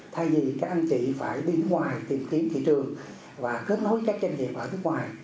thay vì các anh chị phải đi ngoài tìm kiếm thị trường và kết nối các doanh nghiệp ở nước ngoài